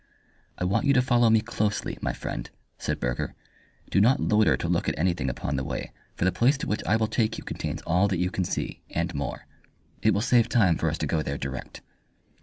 "I want you to follow me closely, my friend," said Burger. "Do not loiter to look at anything upon the way, for the place to which I will take you contains all that you can see, and more. It will save time for us to go there direct."